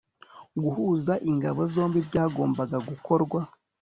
guhuza ingabo zombi byagombaga gukorwa